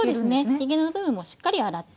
ひげ根の部分もしっかり洗って。